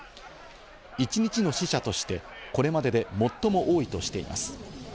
一日の死者としてこれまでで最も多いとしています。